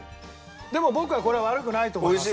でも僕はこれは悪くないと思いますね。